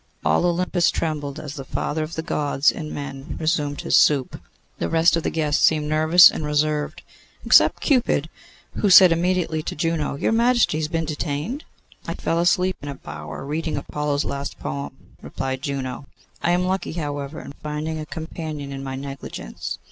All Olympus trembled as the Father of Gods and men resumed his soup. The rest of the guests seemed nervous and reserved, except Cupid, who said immediately to Juno, 'Your Majesty has been detained?' 'I fell asleep in a bower reading Apollo's last poem,' replied Juno. 'I am lucky, however, in finding a companion in my negligence.